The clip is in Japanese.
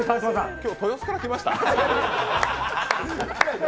今日、豊洲から来ました？